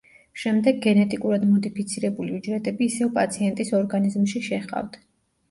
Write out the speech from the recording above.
შემდეგ გენეტიკურად მოდიფიცირებული უჯრედები ისევ პაციენტის ორგანიზმში შეჰყავთ.